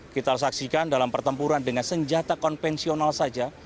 kita saksikan dalam pertempuran dengan senjata konvensional saja